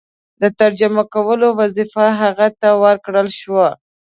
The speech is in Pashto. د ترجمه کولو وظیفه هغه ته ورکړه شوه.